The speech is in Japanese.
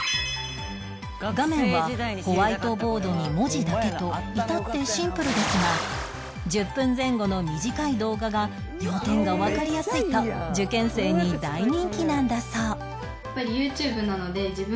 画面はホワイトボードに文字だけと至ってシンプルですが１０分前後の短い動画が要点がわかりやすいと受験生に大人気なんだそう